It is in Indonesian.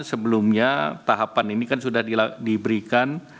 sebelumnya tahapan ini kan sudah diberikan